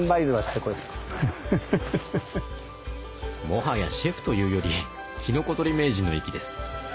もはやシェフというよりきのこ採り名人の域です。